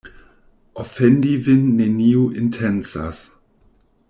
Ofendi vin neniu intencas.